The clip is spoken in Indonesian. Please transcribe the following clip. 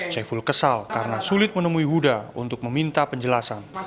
syaiful kesal karena sulit menemui huda untuk meminta penjelasan